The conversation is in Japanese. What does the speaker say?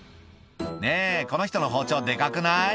「ねぇこの人の包丁デカくない？」